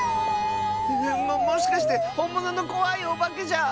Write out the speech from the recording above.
ももしかしてほんもののこわいおばけじゃ。